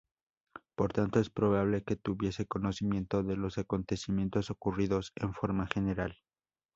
Por tanto es probable que tuviese conocimiento de los acontecimientos ocurridos en forma general.